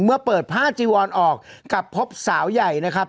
เมื่อเปิดผ้าจีวอนออกกลับพบสาวใหญ่นะครับ